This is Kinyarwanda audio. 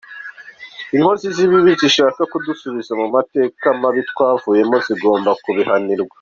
Inkozi z’ibibi zishaka kudusubiza mu mateka mabi twavuyemo zigomba kubihanirwa.